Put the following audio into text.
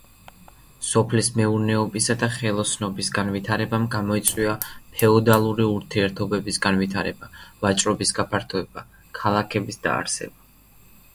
სოფლის მეურნეობისა და ხელოსნობის განვითარებამ გამოიწვია ფეოდალური ურთიერთობების განვითარება, ვაჭრობის გაფართოება, ქალაქების დაარსება.